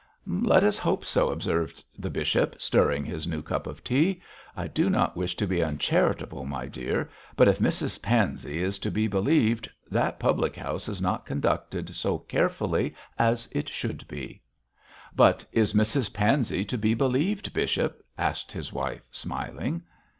'Let us hope so,' observed the bishop, stirring his new cup of tea. 'I do not wish to be uncharitable, my dear, but if Mrs Pansey is to be believed, that public house is not conducted so carefully as it should be.' 'But is Mrs Pansey to be believed, bishop?' asked his wife, smiling.